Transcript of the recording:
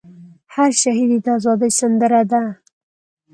هر شهید ئې د ازادۍ سندره ده